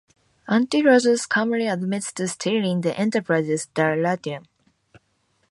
Anti-Lazarus calmly admits to stealing the Enterprise's dilithium.